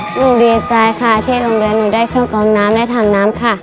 หนูดีใจค่ะที่โรงเรียนหนูได้เครื่องกองน้ำและถังน้ำค่ะ